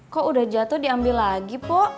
kok udah jatoh diambil lagi puk